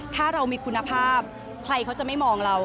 ถ้าเรามีคุณภาพใครเขาจะไม่มองเรา